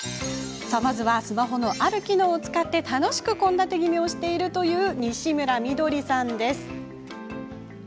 まずはスマホのある機能を使って楽しく献立ぎめをしているという西村緑さんです。